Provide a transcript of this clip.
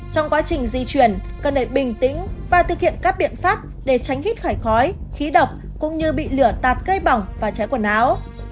trong quá trình di chuyển cần phải bình tĩnh và thực hiện các biện pháp để tránh hít khải khói khí độc cũng như bị lửa tạt cây bỏng và cháy quần áo